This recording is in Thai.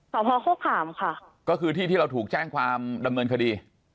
สพโฆขามค่ะก็คือที่ที่เราถูกแจ้งความดำเนินคดี